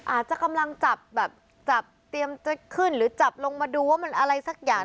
อาจจะกำลังจับแบบจับเตรียมจะขึ้นหรือจับลงมาดูว่ามันอะไรสักอย่าง